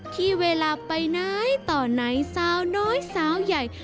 ที่เวลาไปไหนต่อไหนสาวน้อยสาวใหญ่